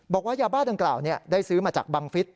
บอกว่ายาบ้าดังกล่าวได้ซื้อมาจากบังฟิศ